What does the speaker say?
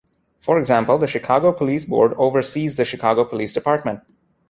For example, the Chicago Police Board oversees the Chicago Police Department.